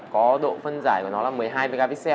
có độ phân giải của nó là một mươi hai mbc